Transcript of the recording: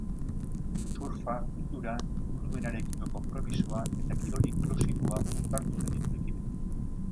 Surfa, kultura, ingurumenarekiko konpromisoa eta kirol inklusiboa uztartu nahi ditu ekimenak.